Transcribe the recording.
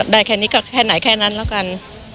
ได้แค่นี้ก็แค่ไหนแค่นั้นแล้วกัน